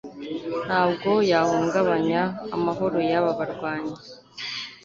ntabwo yahungabanya amahoro y'aba barwanyi